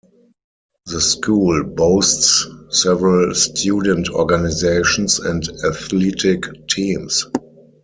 The school boasts several student organizations and athletic teams.